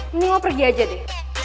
mending lo pergi aja deh